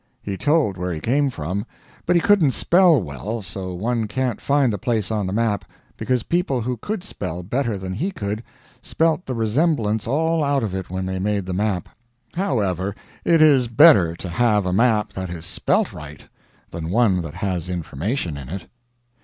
He told where he came from, but he couldn't spell well, so one can't find the place on the map, because people who could spell better than he could, spelt the resemblance all out of it when they made the map. However, it is better to have a map that is spelt right than one that has information in it.